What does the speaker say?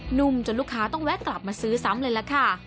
นุ่มจนลูกค้าต้องแวะกลับมาซื้อซ้ำเลยล่ะค่ะ